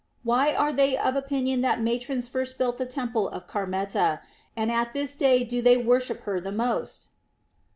Why are they of opinion that matrons first built the temple of Carmenta, and at this day do they worship her most?